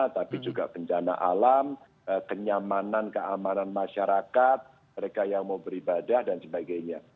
tapi juga bencana alam kenyamanan keamanan masyarakat mereka yang mau beribadah dan sebagainya